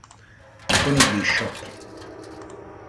Tony Bishop